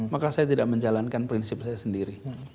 maka saya tidak menjalankan prinsip saya sendiri